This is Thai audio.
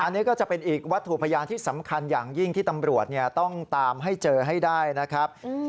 อันนี้ก็จะเป็นอีกวัตถุพยานที่สำคัญอย่างยิ่งที่ตำรวจต้องตามให้เจอให้ได้นะครับ